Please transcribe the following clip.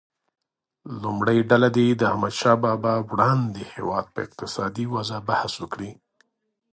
لومړۍ ډله دې د احمدشاه بابا وړاندې هیواد په اقتصادي وضعه بحث وکړي.